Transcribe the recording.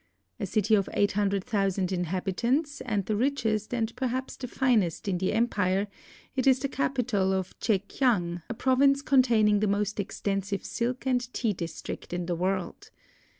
A city of 800,000 inhabitants, and the richest and perhaps the finest in the empire, it is the capital of Chekiang, a province containing the most extensive silk and tea district in the world.